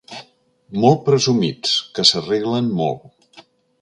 Molt presumits, que s'arreglen molt.